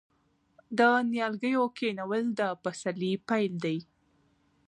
د نیالګیو کینول د پسرلي پیل دی.